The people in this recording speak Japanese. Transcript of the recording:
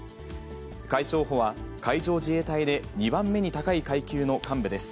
海将補は、海上自衛隊で２番目に高い階級の幹部です。